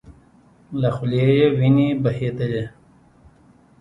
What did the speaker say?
له خولې يې وينې بهيدلې.